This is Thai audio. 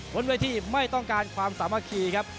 บนเวทีไม่ต้องการความสามัคคีครับ